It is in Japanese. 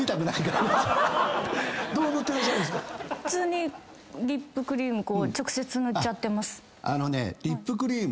普通にリップクリーム直接塗っちゃってます。